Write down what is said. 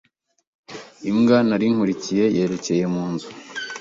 imbwa nari nkurikiye yerekeye munzu